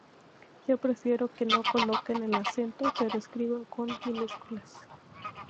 Yo prefiero que no coloquen el acento pero escriban con minúsculas.